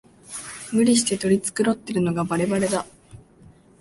無理して取り繕ってるのがバレバレだ